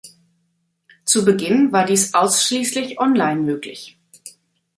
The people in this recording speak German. Zu Beginn war dies ausschließlich online möglich.